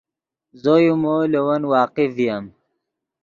زو یو مو لے ون واقف ڤییم